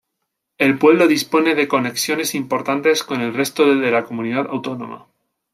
El pueblo dispone de conexiones importantes con el resto de la comunidad autónoma.